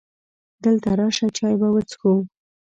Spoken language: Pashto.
دلته راشه! چای به وڅښو .